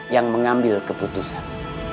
yang mengambil keputusan